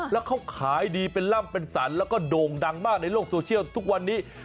แล้วเขาขายดีเป็นล่ำเป็นสรรแล้วก็โด่งดังมากในโลกโซเชียลทุกวันนี้